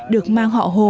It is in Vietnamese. được mang họ hồ